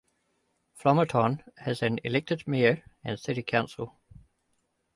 Flomaton has an elected mayor and city council.